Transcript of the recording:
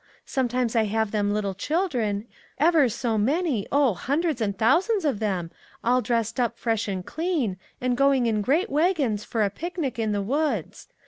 Sometimes I have them little children, ever so many, oh, hun dreds and thousands of them, all dressed up fresh and clean, and going in great wagons for a picnic in the woods.